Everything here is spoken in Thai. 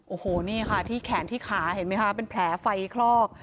โอ้โหนี่ค่ะแขนที่ขาเป็นแผลไฟคลอก